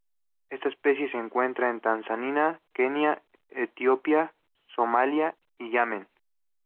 Esta especie se encuentra en Tanzania, Kenia, Etiopía, Somalia y Yemen.